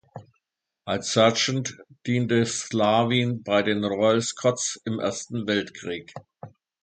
Als Sergeant diente Slavin bei den Royal Scots im Ersten Weltkrieg.